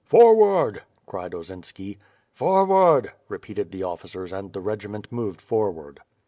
"Forward," cried Osinski. "Forward," repeated the officers and the regi ment moved forward.